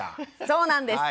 そうなんです。